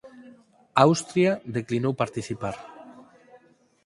Austria declinou participar.